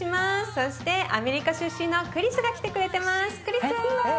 そしてアメリカ出身のクリスが来てくれてます。